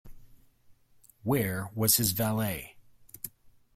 Where was his valet?